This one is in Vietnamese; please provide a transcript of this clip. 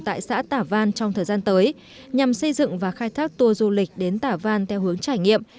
tại xã tả văn trong thời gian tới nhằm xây dựng và khai thác tour du lịch đến tả văn theo hướng trải nghiệm